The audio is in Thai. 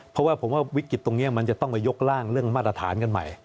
เพราะว่าผมว่าวิกฤตตรงนี้มันจะต้องไปยกร่างเรื่องมาตรฐานกันใหม่